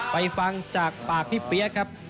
ฟังจากปากพี่เปี๊ยกครับ